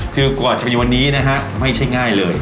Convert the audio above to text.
คือกว่าจะมีวันนี้นะฮะไม่ใช่ง่ายเลย